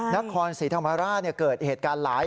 นครสีธรรมราชเนี่ยเกิดเหตุการณ์หลาย